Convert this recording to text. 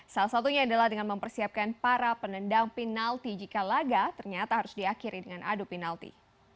salah satunya adalah dengan mempersiapkan para penendang penalti jika laga ternyata harus diakhiri dengan adu penalti